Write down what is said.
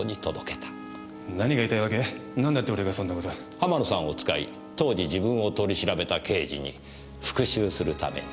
浜野さんを使い当時自分を取り調べた刑事に復讐するために。